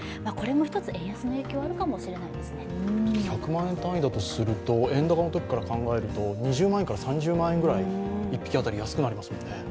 １００万円単位だとすると、円高のときから考えると２０万円から３０万円くらい、１匹当たり安くなりますからね。